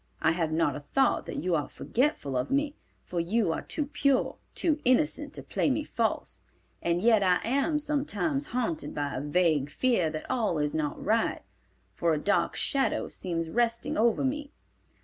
I have not a thought that you are forgetful of me, for you are too pure, too innocent to play me false. And yet I am sometimes haunted by a vague fear that all is not right, for a dark shadow seems resting over me.